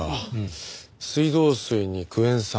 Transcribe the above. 水道水にクエン酸。